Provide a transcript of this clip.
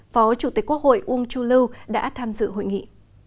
phó chủ tịch quốc hội uông chu lưu đã tham dự hội nghị